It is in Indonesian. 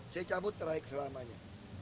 saya cabut teraik selamanya